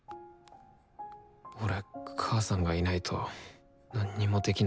俺母さんがいないとなんにもできなくてさ。